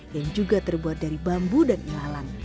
yang juga terbuat dari bambu dan ilalang